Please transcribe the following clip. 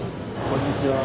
こんにちは。